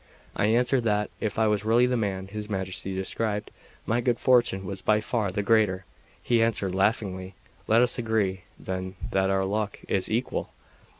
I answered that, if I was really the man his Majesty described, my good fortune was by far the greater. He answered laughingly: "Let us agree, then, that our luck is equal!"